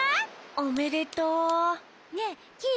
おめでとう！ねえキイ